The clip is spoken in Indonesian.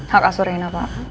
hak asurena pak